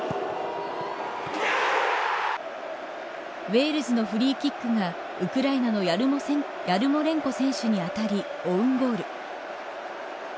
ウェールズのフリーキックがウクライナのヤルモレンコ選手に当たりオウンゴール。